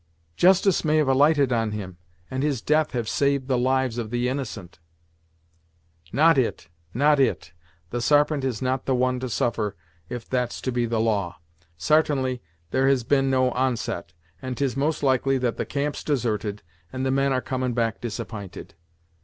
"Justice may have alighted on him, and his death have saved the lives of the innocent." "Not it not it the Sarpent is not the one to suffer if that's to be the law. Sartainly there has been no onset, and 'tis most likely that the camp's deserted, and the men are comin' back disapp'inted.